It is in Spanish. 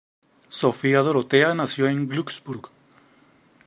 Sofía Dorotea nació en Glücksburg.